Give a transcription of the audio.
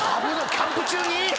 キャンプ中に？